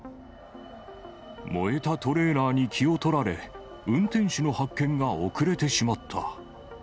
燃えたトレーラーに気を取られ、運転手の発見が遅れてしまった。